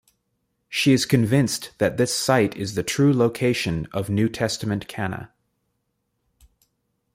She is convinced that this site is the true location of New Testament Cana.